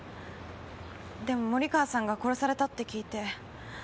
でも森川さんが殺されたって聞いて。